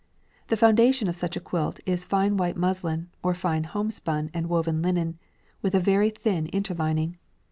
The foundation of such a quilt is fine white muslin, or fine homespun and woven linen, with a very thin interlining.